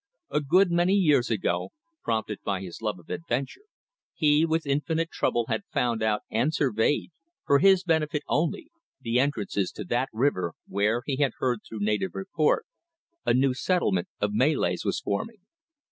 A good many years ago prompted by his love of adventure he, with infinite trouble, had found out and surveyed for his own benefit only the entrances to that river, where, he had heard through native report, a new settlement of Malays was forming.